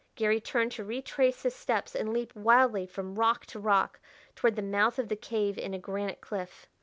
Garry turned to retrace his steps and leap wildly from rock to rock toward the mouth of the cave in a granite cliff.